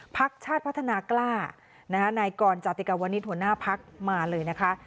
พักชาติพัฒนากล้านายกรจติกาวนิตหัวหน้าพักมาเลยนะคะ